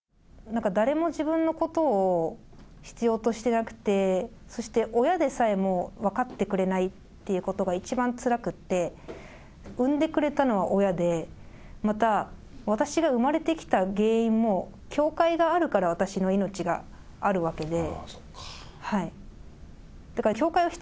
なんか誰も自分のことを必要としていなくて、そして親でさえも、分かってくれないっていうことが一番つらくって、生んでくれたのは親で、また私が生まれてきた原因も教会があるから私の命があるわけで。